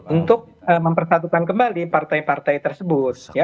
untuk mempersatukan kembali partai partai tersebut